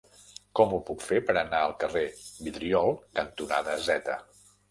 Com ho puc fer per anar al carrer Vidriol cantonada Z?